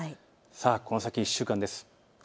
この先、１週間です。